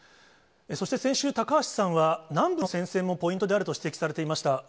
そして、先週、高橋さんは南部の戦線もポイントであると指摘されていました。